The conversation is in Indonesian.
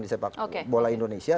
di sepak bola indonesia